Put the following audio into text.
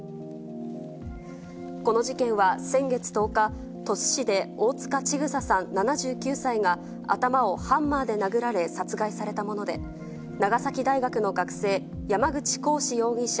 この事件は先月１０日、鳥栖市で大塚千種さん７９歳が、頭をハンマーで殴られ、殺害されたもので、長崎大学の学生、山口鴻志容疑者